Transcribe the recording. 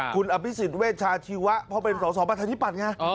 คุณอพิศิทธิ์เวชาชีวะของส่อประจานธิปัตย์ไง